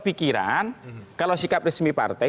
pikiran kalau sikap resmi partai